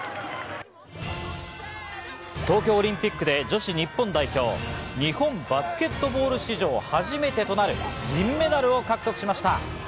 東京オリンピックで女子日本代表は日本女子バスケットボール史上初めてとなる、銀メダルを獲得しました。